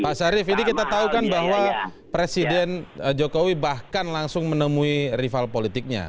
pak syarif ini kita tahu kan bahwa presiden jokowi bahkan langsung menemui rival politiknya